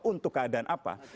untuk keadaan apa